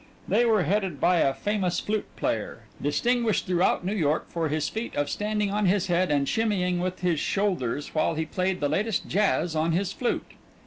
They were headed by a famous flute player, distinguished throughout New York for his feat of standing on his head and shimmying with his shoulders while he played the latest jazz on his flute.